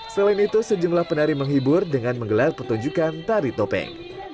selain itu sejumlah penari menghibur dengan menggelar pertunjukan tari topeng